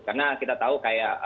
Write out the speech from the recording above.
karena kita tahu kayak